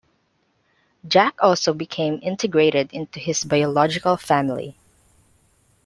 Jack also became integrated into his biological family.